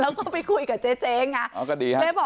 แล้วก็ไปคุยกับเจ๊เจ๊ไงอ๋อก็ดีครับ